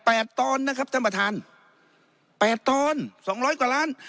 ตอนนะครับท่านประธานแปดตอนสองร้อยกว่าล้าน